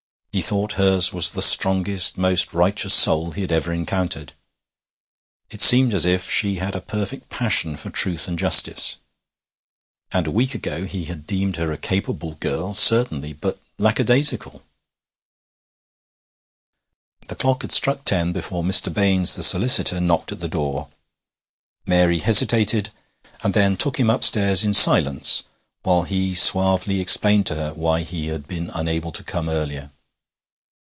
He thought hers was the strongest, most righteous soul he had ever encountered; it seemed as if she had a perfect passion for truth and justice. And a week ago he had deemed her a capable girl, certainly but lackadaisical! The clock had struck ten before Mr. Baines, the solicitor, knocked at the door. Mary hesitated, and then took him upstairs in silence while he suavely explained to her why he had been unable to come earlier.